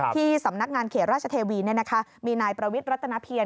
ที่สำนักงานเขตราชเทวีมีนายประวิทย์รัฐนาเพียร